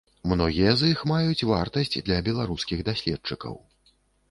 Многія з іх маюць вартасць для беларускіх даследчыкаў.